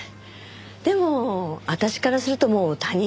でも私からするともう他人なんで。